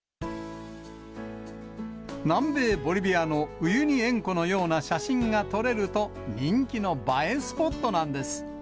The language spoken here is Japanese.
南米ボリビアのウユニ塩湖のような写真が撮れると人気の映えスポットなんです。